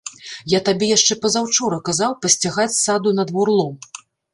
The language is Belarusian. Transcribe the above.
Я табе яшчэ пазаўчора казаў пасцягаць з саду на двор лом.